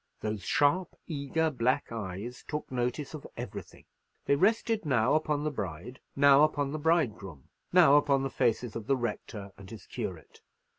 Those sharp eager black eyes took notice of everything. They rested now upon the bride, now upon the bridegroom, now upon the faces of the rector and his curate.